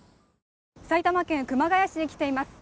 埼玉県熊谷市に来ています。